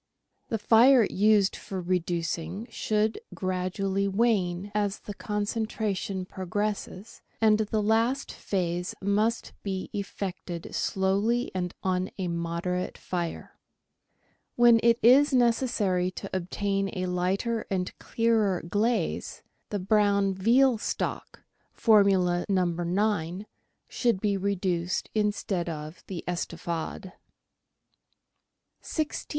The fire used for reducing should gradually wane as the concentra tion progresses, and the last phase must be effected slowly and on a moderate fire. When it is necessary to obtain a lighter and clearer glaze, the brown veal stock (Formula No. 9) should be reduced instead of the " Estouffade."